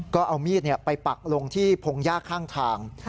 ก็เอามีดไปปักลงที่พงหญ้าข้างทาง